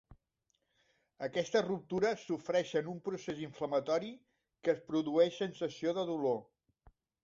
Aquestes ruptures sofreixen un procés inflamatori que produeix sensació de dolor.